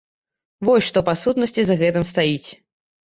Вось што, па сутнасці, за гэтым стаіць.